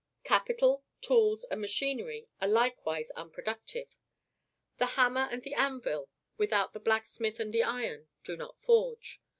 Capital, tools, and machinery are likewise unproductive. The hammer and the anvil, without the blacksmith and the iron, do not forge.